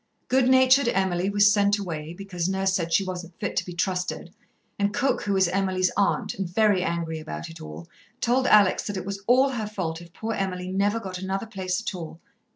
Good natured Emily was sent away, because Nurse said she wasn't fit to be trusted, and Cook, who was Emily's aunt, and very angry about it all, told Alex that it was all her fault if poor Emily never got another place at all.